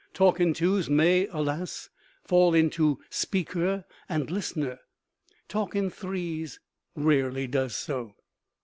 Talk in twos may, alas! fall into speaker and listener: talk in threes rarely does so.